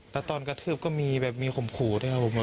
แล้วตอนกระทืบก็มีแบบมีข่มขู่ด้วยครับผม